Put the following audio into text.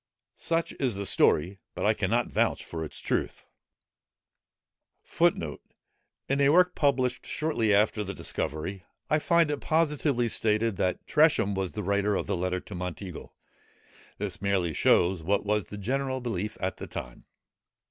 Such is the story, but I cannot vouch for its truth. [Footnote 15: In a work published shortly after the discovery, I find it positively stated, that Tresham was the writer of the letter to Monteagle. This merely shows what was the general belief at the time.